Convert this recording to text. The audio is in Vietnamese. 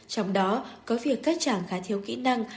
trong đó có việc các chàng khá thiếu kỹ năng